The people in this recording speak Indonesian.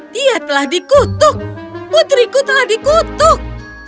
dia telah dikutuk putriku telah dikutuk